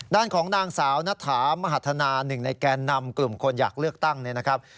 ด้านของนางสาวณถามหัฒนาหนึ่งในแกนนำกลุ่มคนอยากเลือกตั้งเนี่ยนะครับ